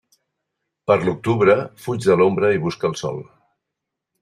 Per l'octubre fuig de l'ombra i busca el sol.